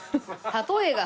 例えが。